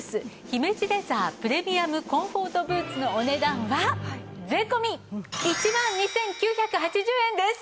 姫路レザープレミアムコンフォートブーツのお値段は税込１万２９８０円です。